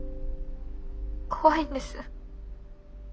怖いんです。